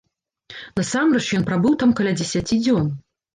Насамрэч ён прабыў там каля дзесяці дзён.